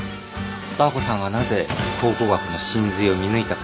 ダー子さんがなぜ考古学の神髄を見抜いたか。